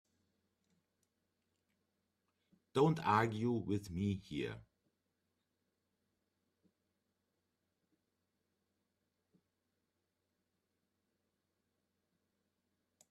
Don't argue with me here.